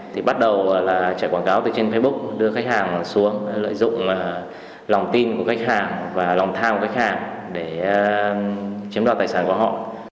thì bắt đầu là chạy quảng cáo từ trên facebook đưa khách hàng xuống lợi dụng lòng tin của khách hàng và lòng tham của khách hàng để chiếm đoạt tài sản của họ